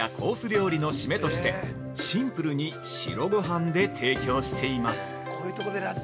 料理のシメとしてシンプルに白ごはんで提供しています。